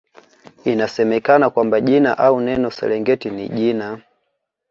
Inasemekana kwamba jina au neno Serengeti ni jina